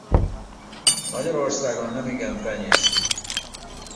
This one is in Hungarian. Magyarországon nemigen tenyésztik.